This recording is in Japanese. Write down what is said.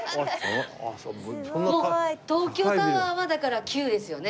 すごい。東京タワーはだから旧ですよね。